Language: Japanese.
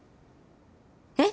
えっ！